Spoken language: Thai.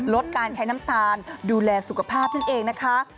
ลดการใช้น้ำตาลดูแลสุขภาพนั่นเองนะคะ